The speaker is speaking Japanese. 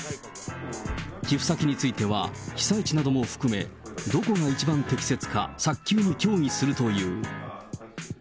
寄付先については、被災地なども含めどこが一番適切か、早急に協議するという。